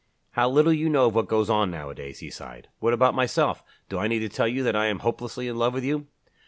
"How little you know of what goes on nowadays!" he sighed. "What about myself? Do I need to tell you that I am hopelessly in love with you?"